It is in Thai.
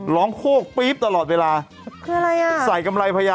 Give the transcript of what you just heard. ร้องโภคปี๊บตลอดเวลา